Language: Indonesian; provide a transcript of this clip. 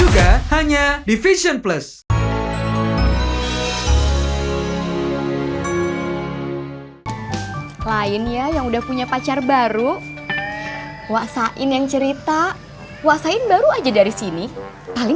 gif plus competition hadir kembali